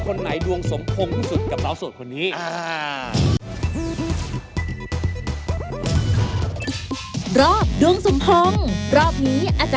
คนไหนดวงสมพงษ์ที่สุดกับเราโสดคนนี้